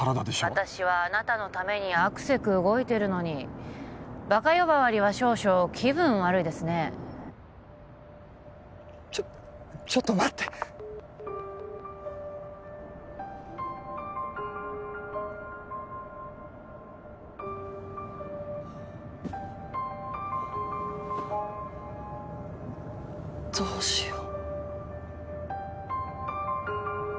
☎私はあなたのためにあくせく動いてるのにバカ呼ばわりは少々気分悪いですねちょっちょっと待ってどうしよう